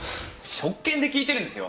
職権で訊いてるんですよ！